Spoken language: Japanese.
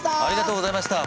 ありがとうございます。